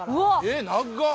えっ長っ！